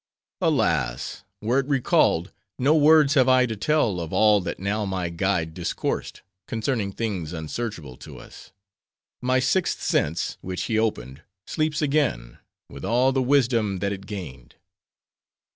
"Alas! were it recalled, no words have I to tell of all that now my guide discoursed, concerning things unsearchable to us. My sixth sense which he opened, sleeps again, with all the wisdom that it gained.